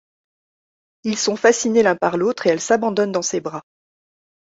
Ils sont fascinés l'un par l'autre et elle s'abandonne dans ses bras.